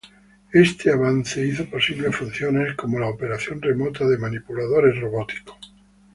Este avance hizo posibles funciones como la operación remota de manipuladores robóticos.